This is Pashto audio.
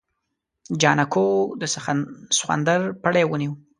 جانکو د سخوندر پړی ونيو.